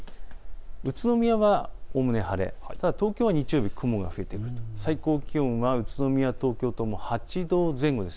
宇都宮はおおむね晴れただ東京は日曜日、雲が増えて最高気温は宇都宮、東京とも８度前後です。